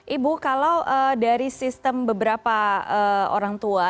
ibu kalau dari sistem beberapa orang tua